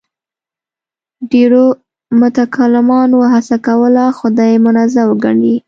ډېرو متکلمانو هڅه کوله خدای منزه وګڼي.